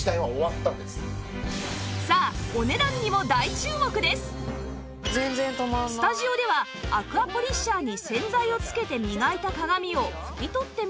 さあスタジオではアクアポリッシャーに洗剤をつけて磨いた鏡を拭き取ってみると